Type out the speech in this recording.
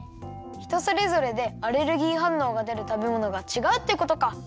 ひとそれぞれでアレルギーはんのうがでるたべものがちがうってことか。